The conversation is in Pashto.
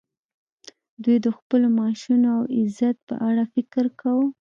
دوی د خپلو معاشونو او عزت په اړه فکر کاوه